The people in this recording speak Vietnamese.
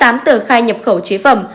m hai mươi tám tờ khai nhập khẩu chế phẩm